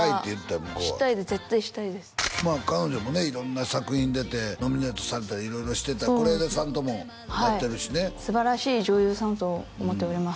向こうはしたいです絶対したいです彼女もね色んな作品出てノミネートされたり色々してた是枝さんともやってるしねすばらしい女優さんと思っております